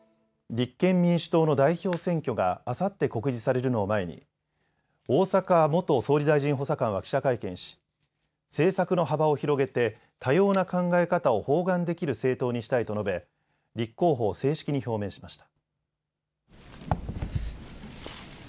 立憲民主党の代表選挙があさって告示されるのを前に逢坂元総理大臣補佐官は記者会見し政策の幅を広げて多様な考え方を包含できる政党にしたいと述べ立候補を正式に表明しました。